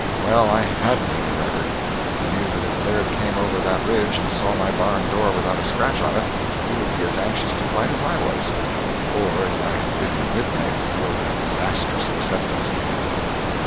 Well, I hadn't any record; and I knew that if Laird came over that ridge and saw my barn door without a scratch on it, he would be as anxious to fight as I was or as I had been at midnight, before that disastrous acceptance came.